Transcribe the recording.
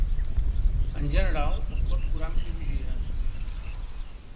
En general, es pot curar amb cirurgia.